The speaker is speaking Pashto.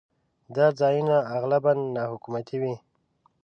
دا ځایونه اغلباً ناحکومتي وي.